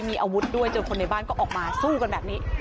มีอาวุธด้วยจนคนในบ้านก็ออกมาสู้กันแบบนี้